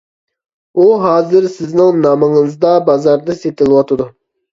ئۇ ھازىر سىزنىڭ نامىڭىزدا بازاردا سېتىلىۋاتىدۇ.